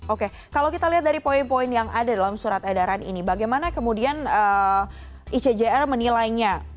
oke kalau kita lihat dari poin poin yang ada dalam surat edaran ini bagaimana kemudian icjr menilainya